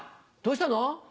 どうしたの？